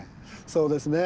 そうですね。